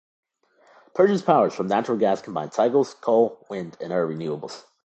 Purchased power is from natural gas combined cycles, coal, wind, and other renewables.